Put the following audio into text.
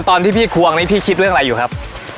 ตอนที่พี่ควงนี้พี่คิดเรื่องอะไรอยู่ครับ